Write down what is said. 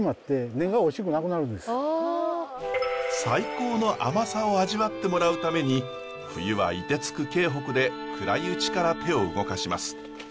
最高の甘さを味わってもらうために冬はいてつく京北で暗いうちから手を動かします。